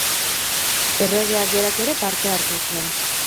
Erregeak berak ere parte hartu zuen.